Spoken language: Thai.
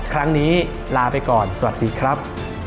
ครั้งนี้ลาไปก่อนสวัสดีครับ